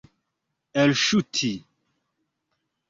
elŝuti